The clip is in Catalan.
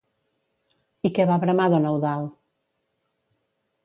I què va bramar don Eudald?